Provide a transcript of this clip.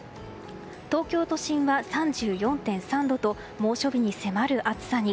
東京都心は３４．３度と猛暑日に迫る暑さに。